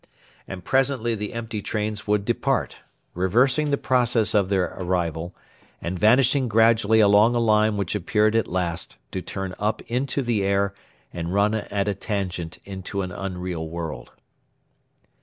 And presently the empty trains would depart, reversing the process of their arrival, and vanishing gradually along a line which appeared at last to turn up into the air and run at a tangent into an unreal world.